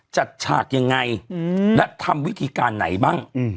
จัดฉากยังไงอืมและทำวิกิการไหนบ้างอืม